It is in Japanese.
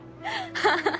あハハハ。